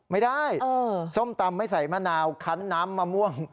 ไม่ได้ส้มตำไม่ใส่มะนาวคันน้ำมะม่วง